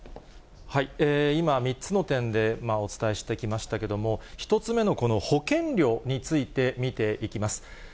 今、３つの点でお伝えしてきましたけれども、１つ目のこの保険料について見ていきます。